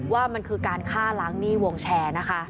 ว่ามันคือการฆ่าล้างหนี้วงแชร์นะคะ